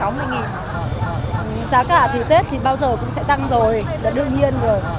giá cả thì tết thì bao giờ cũng sẽ tăng rồi là đương nhiên rồi